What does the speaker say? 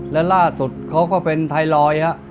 และล่าสุดเขาก็เป็นไทรอยด์ฮะ